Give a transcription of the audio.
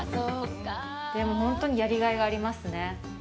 でも、本当にやりがいがありますね。